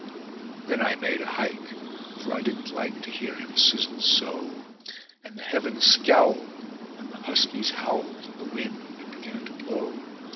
Then I made a hike, for I didn't like to hear him sizzle so; And the heavens scowled, and the huskies howled, and the wind began to blow.